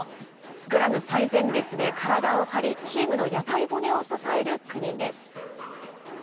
スクラム最前列で体を張り、チームの屋台骨を支える９人です。